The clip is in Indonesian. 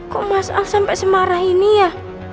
kok mas a sampai semarah ini ya